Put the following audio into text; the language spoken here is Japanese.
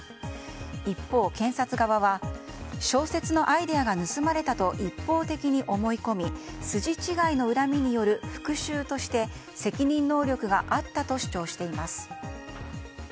一方、検察側は小説のアイデアが盗まれたと一方的に思い込み筋違いの恨みによる復讐として責任能力があったと主張しています。